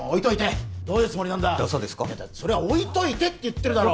それは置いといてって言ってるだろ